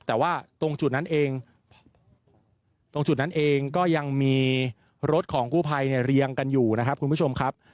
แต่ว่าตรงจุดนั้นเองก็ยังมีรถของคู่ภัยเรียงกันอยู่นะครับคุณผู้ชมครับ